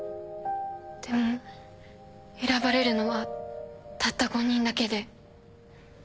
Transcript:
でも選ばれるのはたった５人だけで。